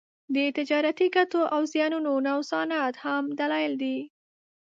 د تجارتي ګټو او زیانونو نوسانات هم دلایل دي